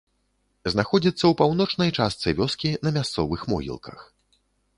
Знаходзіцца ў паўночнай частцы вёскі на мясцовых могілках.